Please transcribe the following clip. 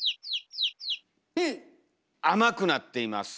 甘くなっています。